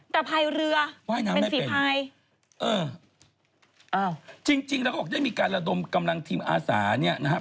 แต่ภายเรือเป็นฝีภายเอ้อจริงแล้วก็ออกได้มีการระดมกำลังทีมอาสาเนี่ยนะครับ